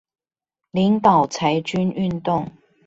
領導裁軍運動